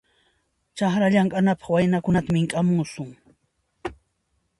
Chakra llamk'anapaq waynakunata mink'amusun.